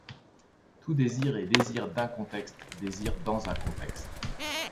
Tout désir est désir d'un contexte, désir dans un contexte.